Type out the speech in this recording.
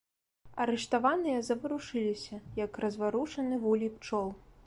Арыштаваныя заварушыліся, як разварушаны вулей пчол.